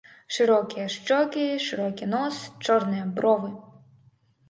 Шырокія шчокі, шырокі нос, чорныя бровы.